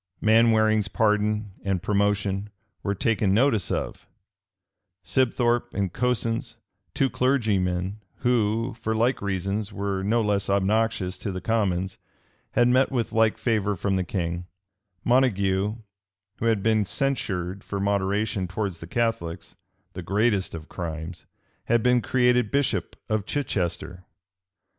Manwaring's pardon and promotion were taken notice of: Sibthorpe and Cosins, two clergymen, who, for like reasons, were no less obnoxious to the commons, had met with like favor from the king: Montague, who had been censured for moderation towards the Catholics, the greatest of crimes, had been created bishop of Chichester.